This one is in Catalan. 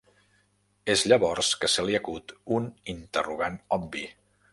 És llavors que se li acut un interrogant obvi.